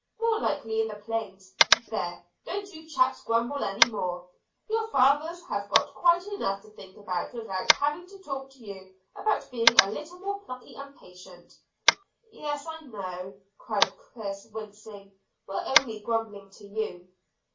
More likely in the plains. There, don't you chaps grumble any more. Your fathers have got quite enough to think about without having to talk to you about being a little more plucky and patient." "Yes, I know," cried Chris, wincing; "we're only grumbling to you."